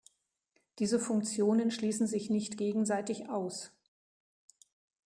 Diese Funktionen schließen sich nicht gegenseitig aus.